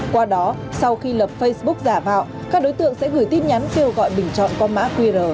qua đó sau khi lập facebook giả mạo các đối tượng sẽ gửi tin nhắn kêu gọi bình chọn qua mã qr